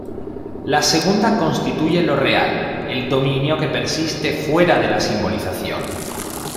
La segunda constituye lo real: el dominio que persiste fuera de la simbolización.